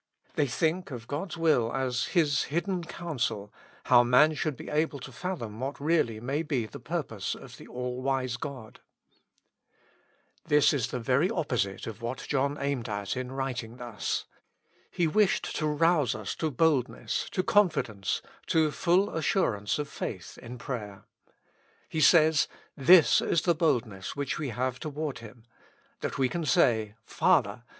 They think of God's will as His hidden counsel — how should man be able to fathom what really may be the purpose of the all wise God. This is the very opposite of what John aimed at in 234 With Christ in the School of Prayer. writing thus. He wished to rouse us to boldness, to confidence, to full assurance of faith in prayer. He says, " This is the boldness which we have toward Hi7n,''^ that we can say: Father